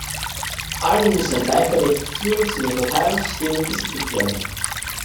Allen muss ein gleichberechtigter Zugang zu den Verteilungssystemen gesichert werden.